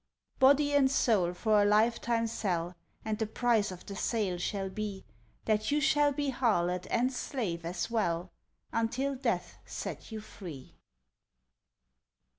"Body and soul for a lifetime sell, And the price of the sale shall be That you shall be harlot and slave as well Until Death set you free."